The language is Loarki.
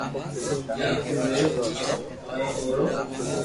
چاڪو جويو ڪاو ھوئي او رو